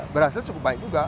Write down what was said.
berhasil cukup baik juga